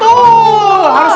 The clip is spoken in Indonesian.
harus pakai tutra